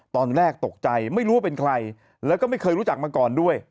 ตอนแรกตกใจไม่รู้ว่าเป็นใครแล้วก็ไม่เคยรู้จักมาก่อนด้วย